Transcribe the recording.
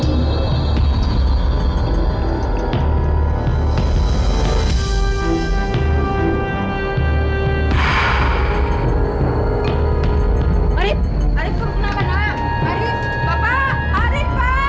jangan lupa subscribe channel ini